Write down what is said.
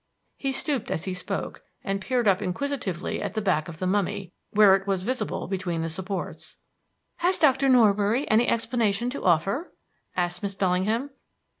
He stooped as he spoke, and peered up inquisitively at the back of the mummy, where it was visible between the supports. "Has Doctor Norbury any explanation to offer?" asked Miss Bellingham.